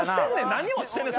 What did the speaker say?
何落ちてんねん。